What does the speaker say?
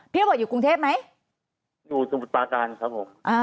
ระเบิดอยู่กรุงเทพไหมอยู่สมุทรปาการครับผม